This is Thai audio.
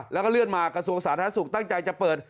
แล้วก็เลื่อนมากระทรวงสาธารณสุขตั้งใจจะเปิด